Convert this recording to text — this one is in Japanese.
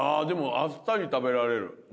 でもあっさり食べられる。